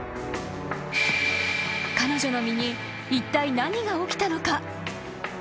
［彼女の身にいったい何が起きたのか？］